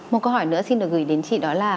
một câu hỏi nữa xin được gửi đến chị đó là